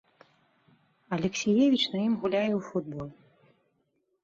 Алексіевіч на ім гуляе ў футбол.